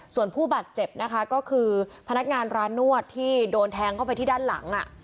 ส่วนผู้บาดเจ็บนะคะก็คือพนักงานร้านนวดที่โดนแทงเข้าไปที่ด้านหลัง